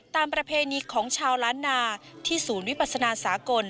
ประเพณีของชาวล้านนาที่ศูนย์วิปัสนาสากล